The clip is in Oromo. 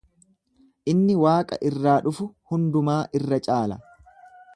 Inni waaqa irraa dhufu hundumaa irra caala.